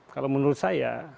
kalau menurut saya